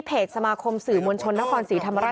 เพจสมาคมสื่อมวลชนธนภรรณ์ศรีธรรมรัฐ